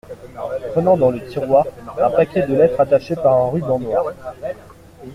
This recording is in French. Prenant dans le tiroir un paquet de lettres attachées par un ruban noir.